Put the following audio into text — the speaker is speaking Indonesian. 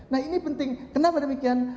nah ini penting kenapa demikian